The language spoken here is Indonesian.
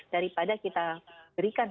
daripada kita berikan